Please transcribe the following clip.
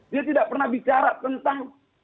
dia tidak pernah bicara tentang